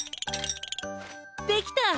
できた！